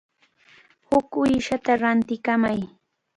Huk uyshata rantikamay.